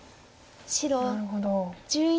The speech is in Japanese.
なるほど。